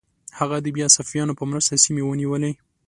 هغه بیا د صفویانو په مرسته سیمې ونیولې.